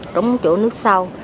trống chỗ nước sâu